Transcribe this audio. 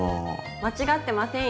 間違ってませんよ。